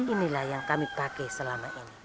inilah yang kami pakai selama ini